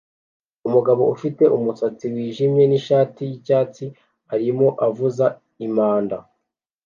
Umugabo ufite umusatsi wijimye nishati yicyatsi arimo avuza impanda